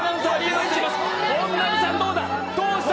本並さん、どうした？